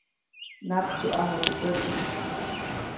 Naptsuʼaju teʼ pät.